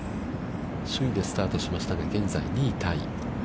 首位でスタートしましたが、現在２位タイ。